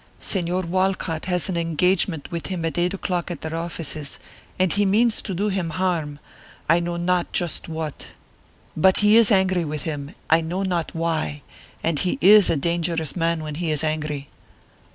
"Señor Walcott has an engagement with him at eight o'clock at their offices, and he means to do him harm, I know not just what; but he is angry with him, I know not why, and he is a dangerous man when he is angry."